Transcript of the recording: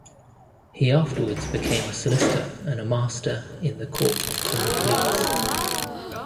He afterwards became a solicitor and a master in the Court of Common Pleas.